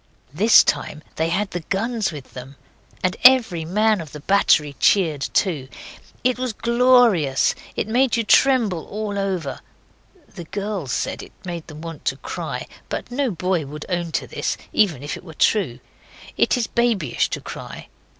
This time they had the guns with them. And every man of the battery cheered too. It was glorious. It made you tremble all over. The girls said it made them want to cry but no boy would own to this, even if it were true. It is babyish to cry.